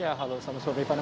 ya halo salam sempurna rifana